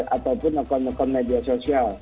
ataupun akun akun media sosial